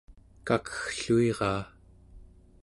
kakeggluiraa